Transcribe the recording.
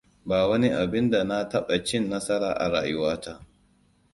Ba wani abin da na taɓa cin nasara a rayuwata.